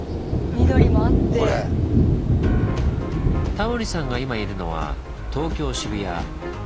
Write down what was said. タモリさんが今いるのは東京・渋谷。